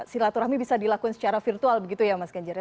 silaturahmi bisa dilakukan secara virtual begitu ya mas ganjar ya